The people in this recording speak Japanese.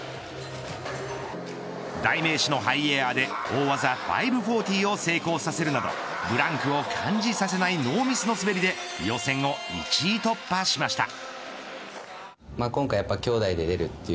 代名詞のハイエアーで大技５４０を成功させるなどブランクを感じさせないノーミスの滑りで予選を１位突破しました。